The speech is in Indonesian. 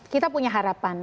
kita punya harapan